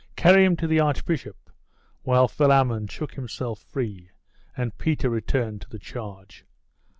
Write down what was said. Carry him to the archbishop!' while Philammon shook himself free, and Peter returned to the charge.